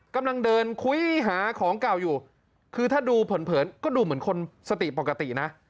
กำลังเดินคุยหาของเก่าอยู่คือถ้าดูเผินก็ดูเหมือนคนสติปกตินะ